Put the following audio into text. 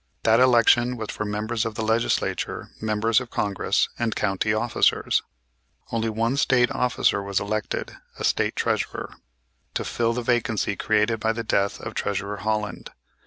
That election was for members of the Legislature, members of Congress and county officers. Only one State officer was elected, a State Treasurer, to fill the vacancy created by the death of Treasurer Holland.